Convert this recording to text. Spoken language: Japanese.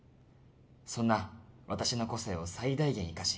そんな私の個性を最大限生かし